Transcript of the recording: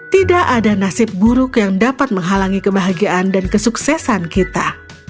tidak ada nasib buruk yang dapat menghalangi kebahagiaan dan kesuksesan kita